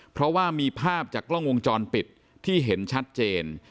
เพราะว่ามีภาพจากกล้องวงจรปิดที่เห็นชัดเจน